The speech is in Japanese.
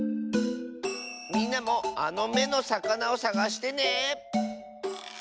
みんなもあの「め」のさかなをさがしてね。